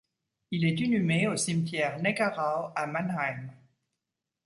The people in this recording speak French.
Il est inhumé au Cimetière Neckarau à Mannheim.